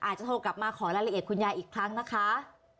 โทรกลับมาขอรายละเอียดคุณยายอีกครั้งนะคะ